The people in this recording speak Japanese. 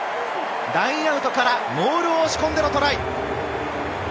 ラインアウトからモールを押し込んでのトライ。